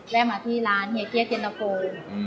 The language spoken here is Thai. แวะมาที่ร้านเฮียเกี๊ยกเย็นตะโปร